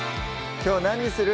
きょう何にする？